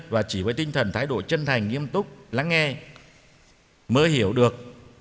và chỉ với tinh thần thái độ chân thành nghiêm túc lắng nghe mới hiểu được